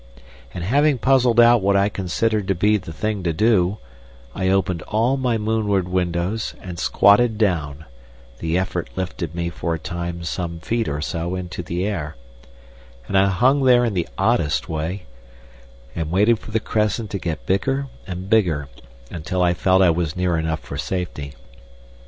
And having puzzled out what I considered to be the thing to do, I opened all my moonward windows, and squatted down—the effort lifted me for a time some feet or so into the air, and I hung there in the oddest way—and waited for the crescent to get bigger and bigger until I felt I was near enough for safety.